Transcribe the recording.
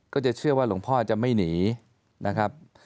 ก็จะเชื่อว่าหลวงพ่อจะไม่หนีนะครับ